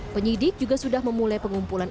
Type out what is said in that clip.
penyidik juga sudah memulai pengumpulan